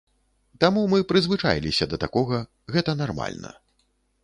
Таму мы прызвычаіліся да такога, гэта нармальна.